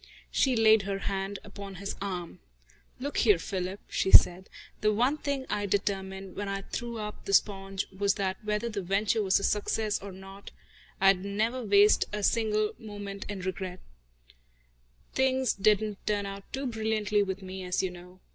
She laid her hand upon his arm. "Look here, Philip," she said, "the one thing I determined, when I threw up the sponge, was that whether the venture was a success or not I'd never waste a single moment in regrets. Things didn't turn out too brilliantly with me, as you know.